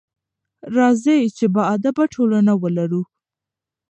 راځئ چې باادبه ټولنه ولرو.